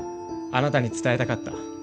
あなたに伝えたかった。